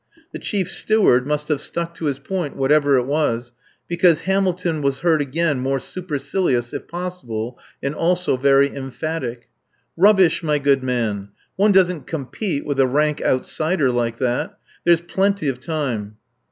The Chief Steward must have stuck to his point, whatever it was, because Hamilton was heard again more supercilious if possible, and also very emphatic: "Rubbish, my good man! One doesn't compete with a rank outsider like that. There's plenty of time."